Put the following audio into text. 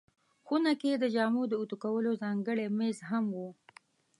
خونه کې د جامو د اوتو کولو ځانګړی مېز هم و.